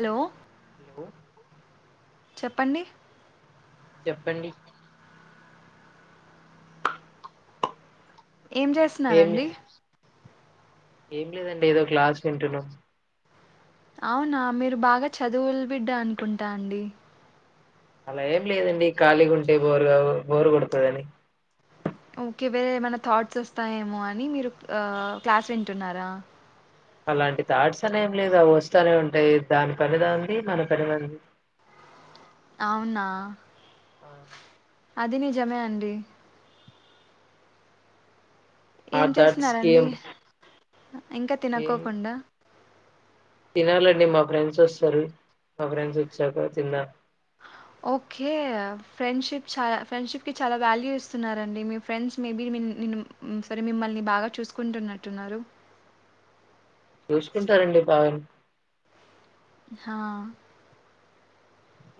Hello hello చెప్పండి చెప్పండి ఏం ఏం చేస్తున్నారండి ఏం లేదండి ఏదో క్లాస్ వింటున్నా అవునా మీరు బాగా చదువుల్ బిడ్డ అనుకుంటా అండి అలా ఏం లేదండి ఖాళీ గా ఉంటే బోరుగా బోరు కొడుతదని ఓకే వేరే ఏమైనా థాట్స్ వస్తాయేమో అని మీరు క్లాస్ వింటున్నారా అలాంటి థాట్స్ అనే ఏం లేదు అవస్తనే ఉంటాయి దాని పని దానిది మన పని మంది అవున. ఆ. అది నిజమే అండి. ఆ ఏం థాట్స్ కి చేసినారండి ఏం ఇంకా ఏం తినకోకుండా. తినాలండి మా ఫ్రెండ్స్ వస్తారు మా ఫ్రెండ్స్ వచ్చాక తిన్నా ఓకే ఫ్రెండ్ షిప్ చాలా ఫ్రెండ్షిప్ కి చాలా వాల్యూ ఇస్తున్నారండి మీ ఫ్రెండ్స్ మేబీ సారీ మిమ్మల్ని బాగా చూసుకుంటున్నట్టున్నారు చూసుకుంటారండి బాగానే హా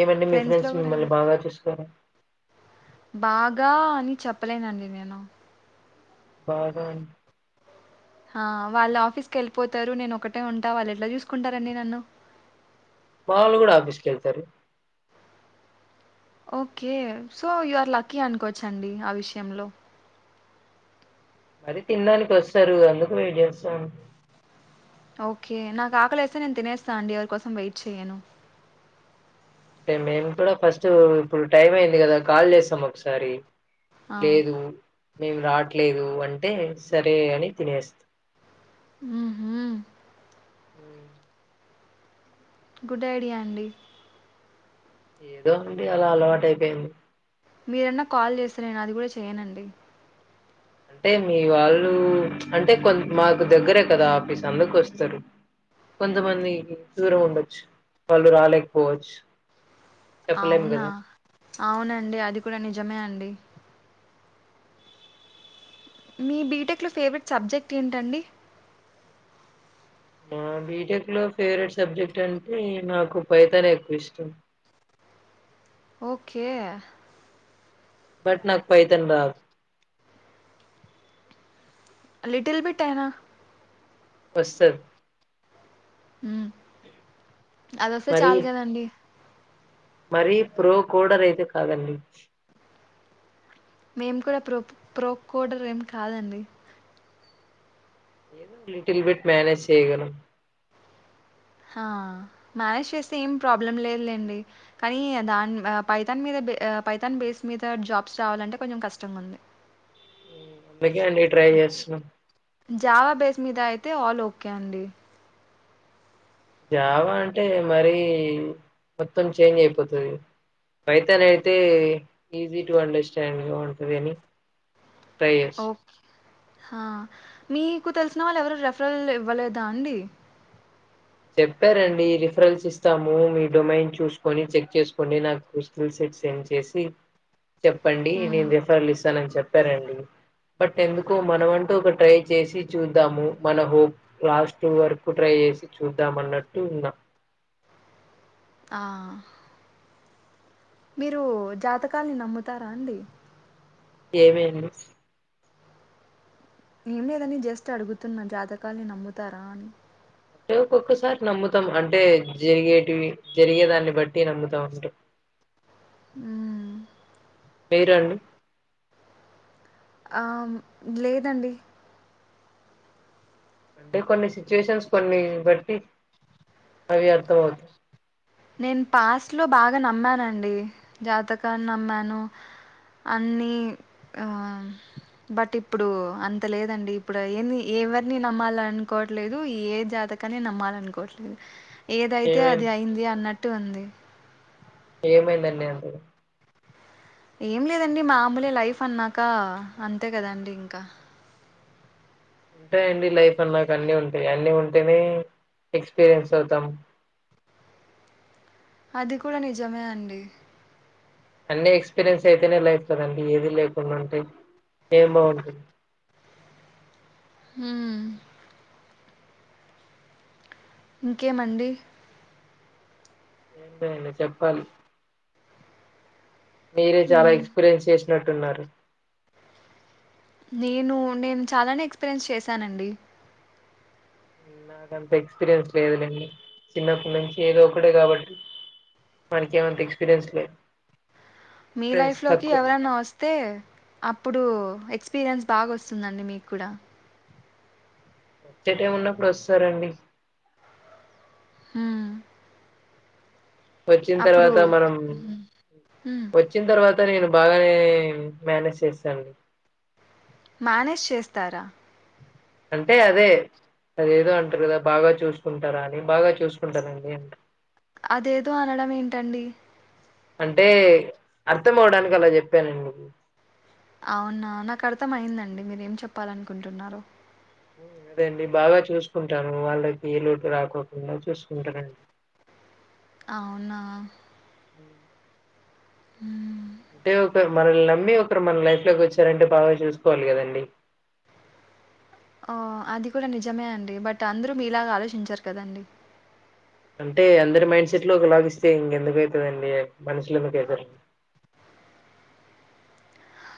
ఏమండి మీ ఫ్రెండ్స్లో ఫ్రెండ్స్ కూడా మిమ్మల్ని బాగా చూసుకోరా బాగా అని చెప్పలేనండి నేను బాగా అంటే ఆ వాళ్ళు ఆఫీస్ కి వెళ్ళిపోతారు నేను ఒకటే ఉంటా వాళ్ళు ఎట్లా చూసుకుంటారండి నన్ను వాళ్ళు కూడా ఆఫీస్ కి వెళ్తారు okay so you are lucky అనుకోవచ్చండి ఆ విషయంలో మరీ తినడానికి వస్తారు అందుకు వెయిట్ చేస్తాం ఓకే నాకు ఆకలి వస్తే నేను తినేస్తా అండి ఎవరి కోసం వెయిట్ చేయను అంటే మేము కూడా ఫస్ట్ ఇప్పుడు టైం అయింది కదా కాల్ చేసాం ఒకసారి ఆ! లేదు మేము రాట్లేదు అ అంటే సరే అని తినేస్తా హ్మ్ హు హ్మ్ గుడ్ ఐడియా అండి ఏదో అండి అలా అలవాటు అయిపోయింది మీరన్నా కాల్ చేస్తే నేను అది కూడా చేయనండి అంటే మీ వాళ్ళు అంటే కొ మాకు దగ్గరే కదా ఆఫీస్ అందకు వస్తారు కొంతమంది దూరం ఉండొచ్చు వాళ్ళు రాలేకపోవచ్చు చెప్పలేము అవునా కదా అవునండి అది కూడా నిజమే అండి మీ బీటెక్ లో ఫేవరెట్ సబ్జెక్ట్ ఏంటండి నా బీటెక్ లో ఫేవరెట్ సబ్జెక్ట్ అంటే నాకు పైథానే ఎక్కువ ఇష్టం ఓకే బట్ నాకు ఫైథన్ రాదు లిటిల్ బిట్ ఐనా వస్తది హ్మ్ అది వస్తే మరి చాలు కదండి మరీ ప్రో కోడర్ అయితే కాదండి మేం కూడా ప్రో ప్రోకోడర్ ఏం కాదండి ఏదో లిటిల్ బిట్ మేనేజ్ చేయగలం హా మేనేజ్ చేస్తే ఏం ప్రాబ్లం లేదులేండి కానీ దాన్ పై థాన్ మీద పైథాన్ బేస్ మీద జాబ్స్ రావాలంటే కొంచం కష్టంగా ఉంది. ఉమ్, అందుకే అండి ట్రై చేస్తున్నం జావా బేస్ మీద అయితే ఆల్ ఓకే అండి జావా అంటే మరి మొత్తం చేంజ్ అయిపోతుదిగ ఫైథాన్ అయితే ఈజీ టు అండర్ స్టాండ్ గా ఉంటుదని. ట్రై చేస్ హా మీకు తెలిసిన వాళ్ళు ఎవరు రెఫరల్ ఇవ్వలేదా అండి చెప్పారండి రిఫరెన్స్ ఇస్తాము మీ డొమైన్ చూసుకొని చెక్ చేసుకోని నాకు స్కిల్ సెట్ సెండ్ చేసి. చెప్పండి హ్మ్. నేను రెఫర్ లిస్ తనని చెప్పారండి బట్ ఎందుకో మనమంటూ ఒక ట్రై చేసి చూద్దాము మన హోప్ లాస్ట్ వరకు ట్రై చేసి. చూద్దాము అన్నట్టు ఉన్నా ఆ మీరు జాతకాల్ని నమ్ముతారా అండి ఏమేడి ఏం లేదని జస్ట్ అడుగుతున్నా జాతకాల్ని నమ్ముతారా అని అంటే ఒక్కొక్కసారి నమ్ముతాం అంటే జరిగేటివి జరిగేదాన్ని బట్టి నమ్ముతాం అంటారు అ మీ రడు లేదండి అంటే కొన్ని సిచ్యుయేషన్స్ కొన్ని బట్టి అవి అర్థం అవుతాయి నేను పాస్ట్ లో బాగా నమ్మానుండి జాతకాన్ని నమ్మాను అన్ని ఆ బట్ ఇప్పుడు అంత లేదండి ఇప్పుడు ఏ ఎవరిని నమ్మాలనుకోవట్లేదు ఏ జాతకాన్ని నమ్మాలనుకోట్లేదు ఏదైతే ఏమై అది అయింది అ అటు వంది ఏమైందండి అందుకు ఏం లేదండి మామూలే లైఫ్ అన్నాక అంతే కదాండి ఇంకా ఉంటాయండి లైఫ్ అ నాకు అన్ని ఉంటాయి అన్ని ఉంటేనే ఎక్స్పీరియన్స్ అవుతాం అది కూడా నిజమే అండి అన్ని ఎక్స్పీరియన్స్ అయితేనే లైఫ్ కదండి ఏది లేకుండా ఉంటాయి ఏం బాగుంటుంది హ ఇంకేమండి ఏంట అ చెప్పాల మీరే చాలా ఎక్స్పీరియన్స్ చేస్త నటున్నారు నేను నేను చాలానే ఎక్స్పీరియన్స్ చేశానండి నాకంత ఎక్స్పీరియన్స్ లేదుండి చిన్నప్పటి నుంచి ఏదో ఒకడే కాబట్టి మనక ఏమంత ఎక్స్పీరియన్స్ లేదు మీ ఫ్రెండ్స్ లైఫ్ లోకి తక్కువ ఎవరన్నా వస్తే అప్పుడు ఎక్స్పీరియన్స్ బాగా వస్తుందండి మీకు కూడా వచ్చేట ఏం ఉన్నప్పుడు వస్తారండి ఆ వచ్చిన తర్వాత మనం హ్మ్. హ్మ్. వచ్చిన తర్వాత నేను బాగానే మేనేజ్ చేశాను మేనేజ్ చేస్తారా అంటే అదే అదేదో అంటారు కదా బాగా చూసుకుంటారా అని బాగా చూసుకుంటానండి అంటారు అదేదో అనడం ఏంటండి అంటే అర్థం అవడానికి అలా చెప్పానండి అవునా నాకు అర్థం అయి్యందండి మీర ఏం చెప్పాలనుకుంటున్నారు అదేండి బాగా చూసుకుంటాను వాళ్ళకి లోటు రాకోకుండా చూసుకుంటానండి అవునా అ హ అంటే ఒక మనల్ని నమ్మి ఒకరు మన లైఫ్ లోకి వచ్చారంటే బాగా చూసుకోవాలి కదండి ఓ అది కూడా నిజమే అండి బట్ అందరూ మీ ఇలాగ ఆలోచించారు కదండి అంటే అందరి మైండ్ సెట్ లో ఒక లాగిస్తే ఇంకెందుకు అవుతుందిండి మనుషులు ఎందుకు అవుతు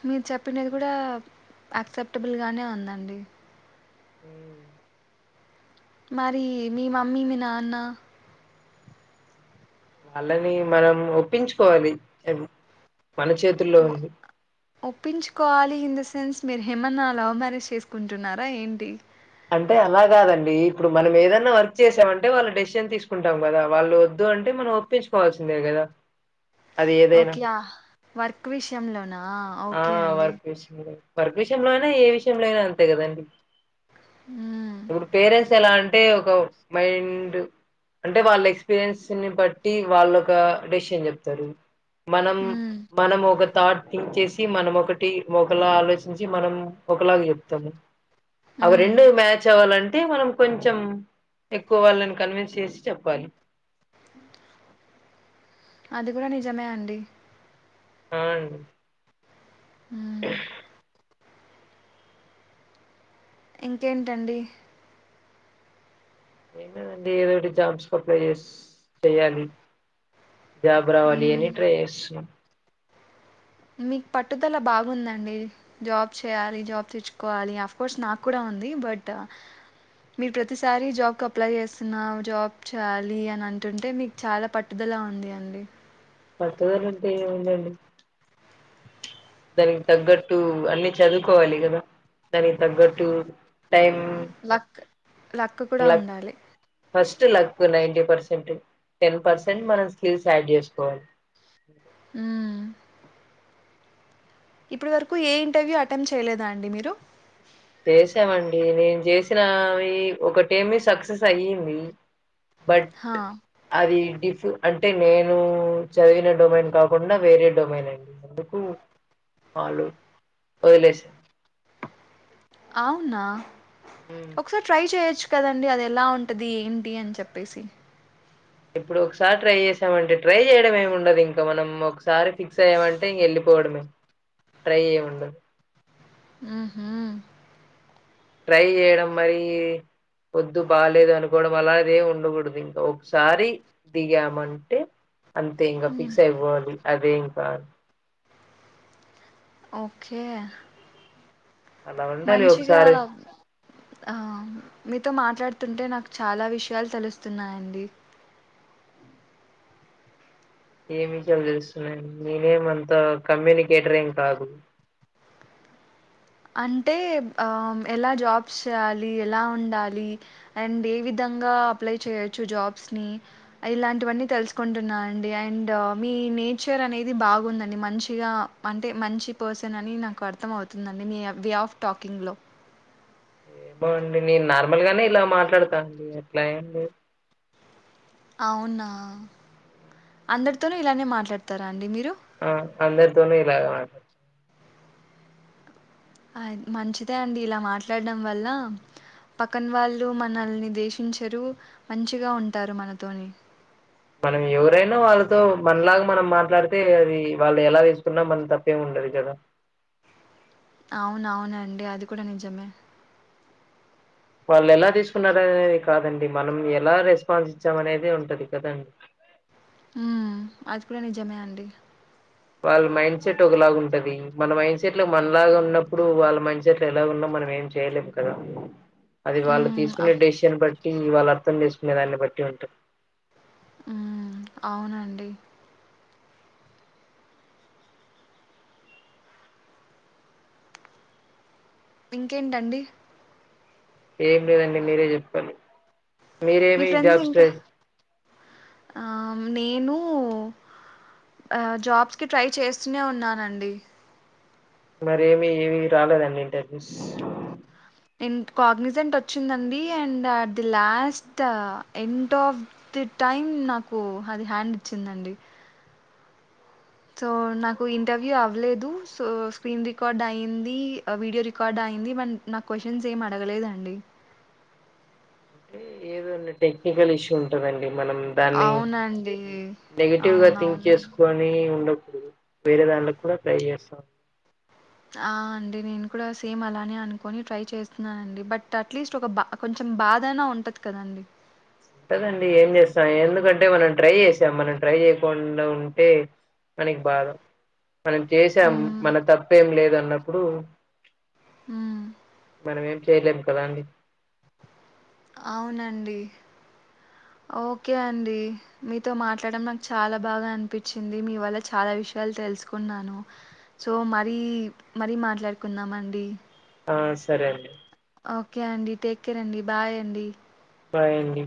మీరు చెప్పినది కూడా యాక్సెప్టబుల్గానే ఉందండి ఉ మరి మీ మమ్మీ మీ నాన్న వాళ్ళని మనం ఒప్పించుకోవాలి మన చేతుల్లో ఉంది. ఒప్పించుకోవాలి హిందు ఫ్రెండ్స్ మీరు హేమన్నా లవ్ మ్యారేజ్ చేసుకుంటున్నారా ఏంటి అంటే అలా కాదండి ఇప్పుడు మనం ఏదైన్నా వర్క్ చేసామంటే వాళ్ళు డెసిజన్ తీసుకుంటాం కదా వాళ్ళు వద్దు అంటే మనం ఒప్పించుకోవాల్సిందే కదా ఓకే యా వర్క్ విషయంలోనా ఆ ఓకే అండి. వర్క్ విషయమే వర్క్ విషయంలో అయినా ఏ విషయంలో అయినా అంతే కదండి హ్మ్. ఇప్పుడు పేరెంట్స్ ఎలాంట అంటే ఒక మైండ్ అంటే వాళ్ళ ఎక్స్పీరియన్స్ ని బట్టి వాళ్ళు ఒక డెసిషన్ చెప్తారు మనం హ్మ్. మనం ఒక తాటి థింగ్ చేసి మనం ఒకటి ఒకలా ఆలోచించి మనం ఒకలాగా చెప్తాము అవి హ్మ్. రెండు మ్యాచ్ అవ్వాలంటే అంతే మనం కొంచెం ఎక్కువ వాళ్ళని కన్విన్స్ చేసి చెప్పాలి అది కూడా నిజమే అండి అవును హ్మ్. ఇంకేంటండి ఏమేదండి ఏదోటి జాబ్స్ కి అప్లై చేస్ చెయ్యాలి జాబ్ రావాలని హ్మ్. ట్రై చేస్తున్నా మీకు పట్టుదల బాగుందండి జాబ్ చేయాలి జాబ్ తెచ్చుకోవాలి ఆఫ్ కోర్స్ నాకు కూడా ఉంది బట్ మీరు ప్రతిసారి జాబ్ కి అప్లై చేస్తున్నా జాబ్ చేయాలి అని అంటుంటే మీకు చాలా పట్టుదల ఉంది అండి పట్టుదల ఉంటే ఏముందండి దానికి తగ్గట్టు అన్ని చదువుకోవాలి కదా దానికి తగ్గట్టు టైమ్ లక్ కూడా లక్ ఉండాలి. First luck ninety percent ten percent మన స్కిల్స్ ఆడ్ చేసుకోవాలి హు ఇప్పటి వరకు ఏ ఇంటర్వ్యూ అటెమ్ చేయలేదా అండి మీరు చేసామండి నేను చేసినవి ఒక టేమి సక్సెస్ అయ్యింది బట్ హా అది డి అంటే నేను చదివిన డొమైన్ కాకుండా వేరే డొమైన్ అండి ఎందుకు వాళ్ళు వదిలేశా అవునా ఒకసారి ట్రై చేయొచ్చు కదండి అది ఎలా ఉంటది ఏంటి అని చెప్పేసి ఇప్పుడు ఒకసారి ట్రై చేసామంటే ట్రై చేయడం ఏమి ఉండదు ఇంకా మనం ఒకసారి ఫిక్స్ అయ్యమంటే ఇంగా వెళ్ళిపోవడమే ట్రై ఏముండదు ఉహూ ట్రై చేయడం మరి వద్దు బాలేేదు అనుకోవడం అలా అదే ఉండకూడదు ఇంకా ఒకసారి దిగామంటే అంతే ఇంకా హ్మ్. ఫిక్స్ అయిపోవాలి అదే ఇంకా సార్ ఓకే అలా ఉండాలి మంచిగా ఒకసారి అలా ఆ మీతో మాట్లాడుతుంటే నాకు చాలా విషయాలు తెలుస్తున్నాయండి ఏం విషయాలు తెలుస్తున్నా నేనేమ అంత కమ్యూనికేటరింగ్ కాదు అంటే ఎలా జాబ్స్ చేయాలి ఎలా ఉండాలి అండ్ ఏ విధంగా అప్లై చేయొచ్చు జాబ్స్ ని ఇలాంటివన్నీ తెలుసుకుంటున్నా అండి అండ్ మీ నేచర్ అనేది బాగుందండి మంచిగా అంటే మంచి పర్సన్ అని నాకు అర్థం అవుతుంది అ మీ వే ఆఫ్ టాకింగ్లో ఏ బాగుండి నేను నార్మల్ గానే ఇలా మాట్లాడతాను అండి అట్లా ఏంలేదు అవునా అందరితోనూ ఇలానే మాట్లాడతారా అండి మీరు ఆ అందరితోను ఇలాగే మాట్లాడతాను అ మంచిదే అండి ఇలా మాట్లాడడం వల్ల పక్కన వాళ్ళు మనల్ని దేశించరు మంచిగా ఉంటారు మనతోని మనం ఎవరైనా వాళ్ళతో మనలాగా మనం మాట్లాడితే అది వాళ్ళు ఎలా వేసుకున్నా మన తప్పేం ఉండదు కదా అవున అవునండి అది కూడా నిజమే వాళ్ళు ఎలా తీసుకున్నారు అనేది కాదండి మనం ఎలా రెస్పాన్స్ ఇచ్చాం అనేది ఉంటది కదాండి మ్మ్ అది కూడా నిజమే అండి వాళ్ళ మైండ్ సెట్ ఒకలాగు ఉంటది మన మైండ్ సెట్ లో మనలాగా ఉన్నప్పుడు వాళ్ళ మైండ్ సెట్ లో ఎలా ఉన్నా మనం ఏం చేయలేము కదా అది వాళ్ళు హ్మ్. తీసుకునే ఆహ్, డెసిషన్ బట్టి ఇవాళ్ళ అర్థం చేస్తుకునే దాన్ని బట్టి ఉంటారు మ్మ్ అవునండి ఇంకేంటండి ఏం లేదండి మీరే చెప్పాలి మీ మీరేమి ఫ్రెండ్స్ జాబ్ ఇంకా స్ట్రెస్ ఆహ్, నేను జాబ్స్ కి ట్రై చేస్తూనే ఉన్నానండి మరి ఏమి ఏవి రాలేదండి ఇంటర్న్షిప్స్ ఎ కాగ్నిజెంట్ వచ్చిందండి and at the last end of the time నాకు అది హ్యాండ్ ఇచ్చిందండి సో నాకు ఇంటర్వ్యూ అవ్వలేదు సో స్క్రీన్ రికార్డ్ అయిింది వీడియో రికార్డ్ అయింది మం నాకు క్వశ్చన్స్ ఏమి అడగలేదండి ఏ [inaudible] టెక్నికల్ ఇష్యూ ఉంటదండి మనం దాన్ని అవునండి. నెగిటివ్ గా థింక్ అవునవును. చేసుకొని ఉండకూడ్ వేరేధాన్లకు కూడా ట్రై చేస్తా ఆ అండి నేను కూడా సేమ్ అలానే అనుకొని ట్రై చేస్తున్నానండి బట్ అట్లీస్ట్ ఒక బా కొంచెం బాధైనా ఉంటది కదండి ఉంటదండి ఏం చేస్తా ఎందుకంటే మనం ట్రై చేసాం మనం ట్రై చేయకుండా ఉంటే మనకి బాధ మనం చేసాం హ్మ్. మన తప్పేం లేదన్నప్ అప్పుడు హ్మ్. మన ఏం చేస్ చేయలేము కదా అండి అవునండి ఓకే అండి మీతో మాట్లాడడం నాకు చాలా బాగా అనిపిచ్చింది మీ వల్ల చాలా విషయాలు తెలుసుకున్నాను సో మరీ మరీ మాట్లాడుకుందామండి ఆ సరే అండి ఓకే అండి టేక్ కేర్ అండి బాయ్ అండి బాయ్ అండి